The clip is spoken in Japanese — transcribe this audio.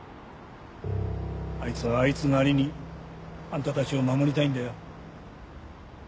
あいつはあいつなりにあんたたちを守りたいんだよ。